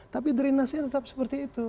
tapi drenasinya tetap seperti itu